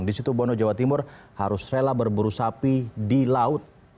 di situ bono jawa timur harus rela berburu sapi di laut